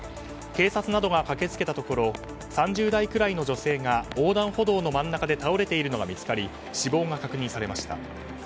警察などが駆け付けたところ３０代くらいの女性が横断歩道の真ん中で倒れているのが見つかり死亡が確認されました。